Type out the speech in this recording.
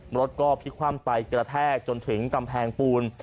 รถก็พลิกคว่ำไปกระแทกจนถึงกำแพงปูน